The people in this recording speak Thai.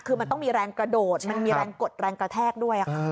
คือมันต้องมีแรงกระโดดมันมีแรงกดแรงกระแทกด้วยค่ะ